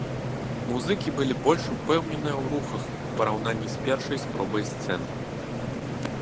Музыкі былі больш упэўненыя ў рухах у параўнанні з першай спробай сцэны.